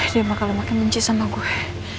dia bakal makin menci sama gue